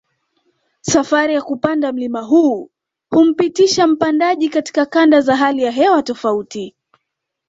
Safari ya kupanda mlima huu humpitisha mpandaji katika kanda za hali ya hewa tofauti